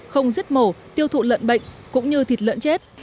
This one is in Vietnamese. không giết mổ tiêu thụ lợn bệnh cũng như thịt lợn chết